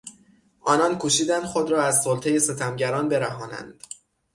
آنان کوشیدند خود را از سلطهی ستمگران برهانند.